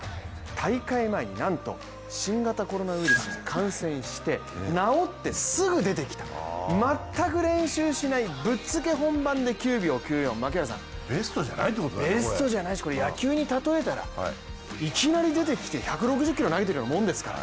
大会前になんと新型コロナウイルスに感染して治ってすぐ出てきた、全く練習しないぶっつけ本番で９秒９４槙原さん、ベストじゃないしこれ野球に例えたらいきなり出てきて１６０キロを投げてるようなもんですから。